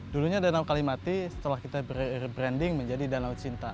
dulunya danau kalimati setelah kita berbranding menjadi danau cinta